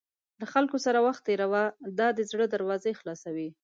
له خلکو سره وخت تېروه، دا د زړه دروازې خلاصوي.